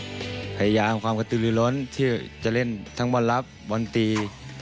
พยายามความกระตือลือล้นที่จะเล่นทั้งบอลลับบอลตี